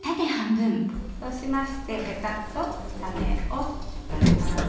そうしましてヘタと種を取ります。